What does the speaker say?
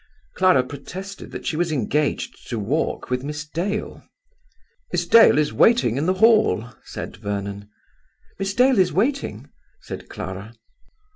Clara protested that she was engaged to walk with Miss Dale. "Miss Dale is waiting in the hall," said Vernon. "Miss Dale is waiting?" said Clara.